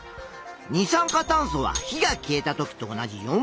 二酸化炭素は火が消えた時と同じ４％。